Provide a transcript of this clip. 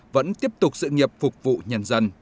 vẫn tiếp tục sự nghiệp phục vụ nhân dân